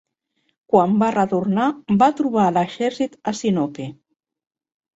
Quan va retornar va trobar a l'exèrcit a Sinope.